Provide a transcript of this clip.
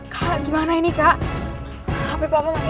kak gimana ini kak hp papa masih gak aktif